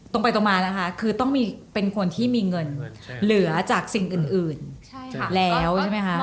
ตรงไปตรงมานะคะคือต้องมีเป็นคนที่มีเงินเหลือจากสิ่งอื่นแล้วใช่ไหมคะ